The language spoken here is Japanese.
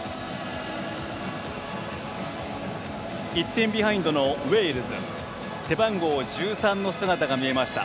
１点ビハインドのウェールズ背番号１３の姿が見えました。